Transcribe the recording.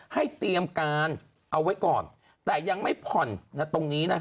ให้เตรียมการเอาไว้ก่อนแต่ยังไม่ผ่อนตรงนี้นะฮะ